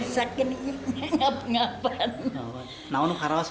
saya sudah selesai sesak